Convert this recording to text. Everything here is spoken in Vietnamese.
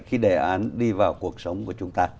khi đề án đi vào cuộc sống của chúng ta